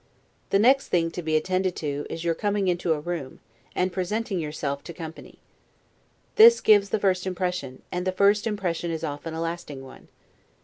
The next thing to be attended to is, your coming into a room, and presenting yourself to a company. This gives the first impression; and the first impression is often a lasting one.